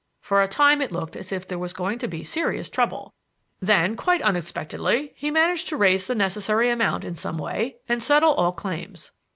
For a time it looked as if there was going to be serious trouble; then, quite unexpectedly, he managed to raise the necessary amount in some way and settle all claims.